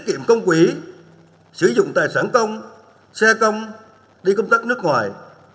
kiệm công quỹ sử dụng tài sản công xe công đi công tác nước ngoài